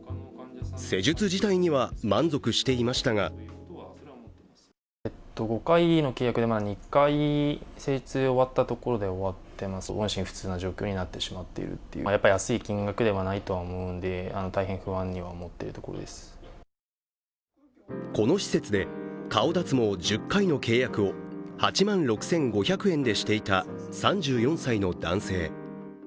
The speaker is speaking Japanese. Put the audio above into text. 施術自体には満足していましたがこの施設で、顔脱毛１０回の契約を８万６５００円でしていた３４歳の男性。